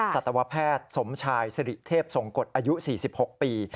สัตวแพทย์สมชายสิริเทพทรงกฎอายุ๔๖ปี